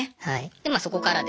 でまあそこからですね